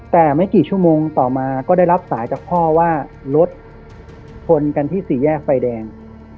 แต่ไม่กี่ชั่วโมงต่อมาก็ได้รับสายจากพ่อว่ารถชนกันที่สี่แยกไฟแดง